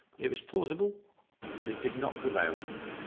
It was plausible, but it did not prevail.